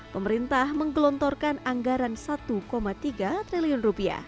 pemerintah menggelontorkan anggaran rp satu tiga triliun